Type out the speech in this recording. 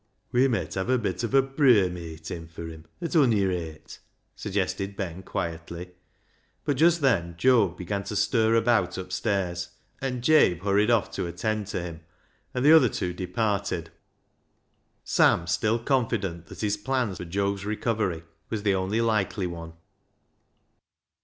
" We met hev' a bit of a pruyer meetin' fur him, at ony rate," suggested Ben quietly ; but just then Job began to stir about upstairs, and Jabe hurried off to attend to him, and the other two departed, Sam still confident that his plan for Job's recovery was the only likely one.